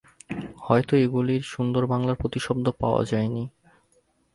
হয়তো এগুলির সুন্দর বাংলা প্রতিশব্দ পাওয়া যায়নি।